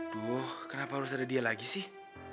duh kenapa harus ada dia lagi sih